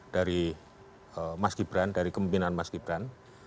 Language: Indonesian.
dari mas gibran dari kemimpinan mas gibran